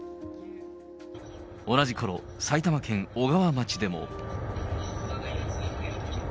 同じころ、埼玉県小川町でも。